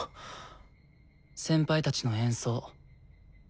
先輩たちの演奏。